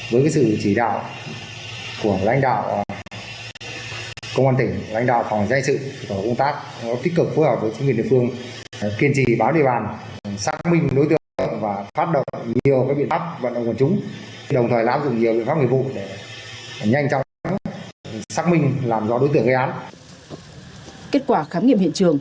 với sự chỉ đạo của lãnh đạo công an tỉnh lãnh đạo phòng giai sự công tác tích cực phối hợp với chính quyền địa phương